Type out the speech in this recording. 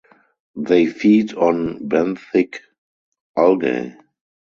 They feed on benthic algae.